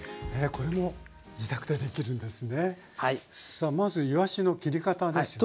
さあまずいわしの切り方ですよね。